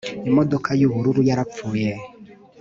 imodoka y'ubururu yarapfuye